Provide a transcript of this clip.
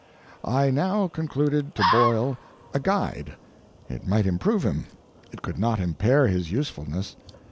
I now concluded to boil a guide. It might improve him, it could not impair his usefulness.